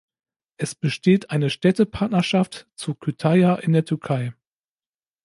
Es besteht eine Städtepartnerschaft zu Kütahya in der Türkei.